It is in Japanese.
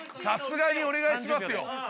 さすがにお願いしますよ。